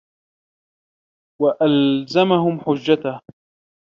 وَأَلْزَمَهُمْ حُجَّتَهُ